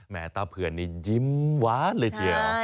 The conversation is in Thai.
แหมตาผื่นนี่ยิ้มว้าดเลยเจ๋อ